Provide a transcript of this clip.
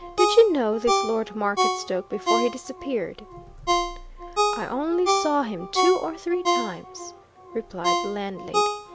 Did you know this Lord Marketstoke before he disappeared?" "I only saw him two or three times," replied the landlady.